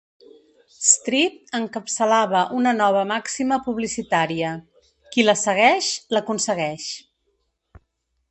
"Street" encapçalava una nova màxima publicitària: "Qui la segueix l'aconsegueix".